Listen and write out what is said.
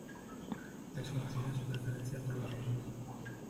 Es conocida su preferencia por los hombres.